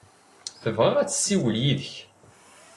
Tebɣa ad tessiwel yid-k.